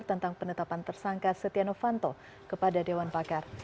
tentang penetapan tersangka setia novanto kepada dewan pakar